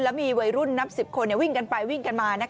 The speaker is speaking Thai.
แล้วมีวัยรุ่นนับ๑๐คนวิ่งกันไปวิ่งกันมา